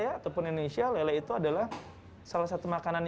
ataupun indonesia lele itu adalah salah satu makanan